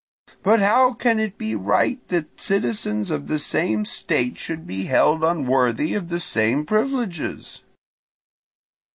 But how can it be right that citizens of the same state should be held unworthy of the same privileges?